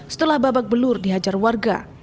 setelah babak belur dihajar warga